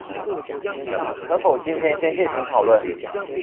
可否今天先進行討論